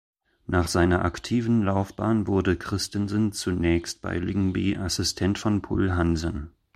Nach seiner aktiven Laufbahn wurde Christensen zunächst bei Lyngby Assistent von Poul Hansen.